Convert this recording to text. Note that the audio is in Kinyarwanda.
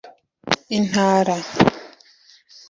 intara